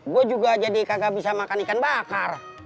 gue juga jadi kagak bisa makan ikan bakar